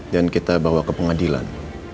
kita bawa ke pengadilan